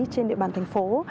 trên địa bàn thành phố